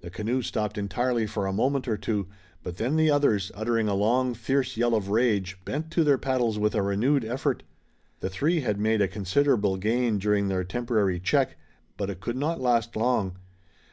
The canoe stopped entirely for a moment or two, but then the others, uttering a long, fierce yell of rage, bent to their paddles with a renewed effort. The three had made a considerable gain during their temporary check, but it could not last long.